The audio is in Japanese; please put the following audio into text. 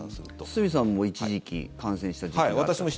堤さんも一時期感染した時期があったと。